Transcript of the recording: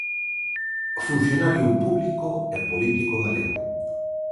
Funcionario público e político galego.